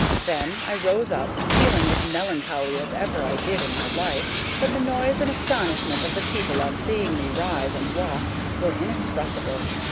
Then I rose up, feeling as melancholy as ever I did in my life. But the noise and astonishment of the people on seeing me rise and walk were inexpressible.